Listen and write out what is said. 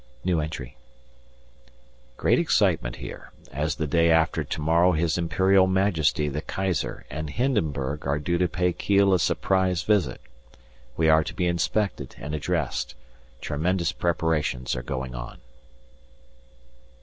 Great excitement here, as the day after to morrow His Imperial Majesty the Kaiser and Hindenburg are due to pay Kiel a surprise visit. We are to be inspected and addressed. Tremendous preparations are going on.